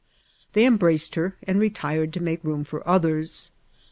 They embraced jier, and retired to make room for others.